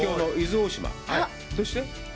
どうして？